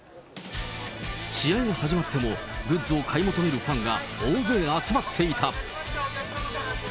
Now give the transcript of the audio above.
試合が始まっても、グッズを買い求めるファンが大勢集まっていた。